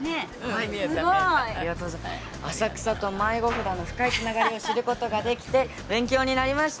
浅草と迷子札の深いつながりを知ることができて勉強になりました。